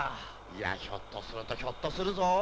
いやひょっとするとひょっとするぞ。